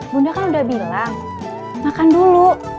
bunda kan udah bilang makan dulu